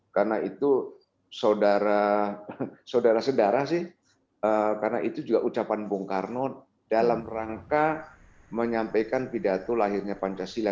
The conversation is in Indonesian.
karena itu saudara saudara sedara sih karena itu juga ucapan bung karno dalam rangka menyampaikan pidato lahirnya pancasila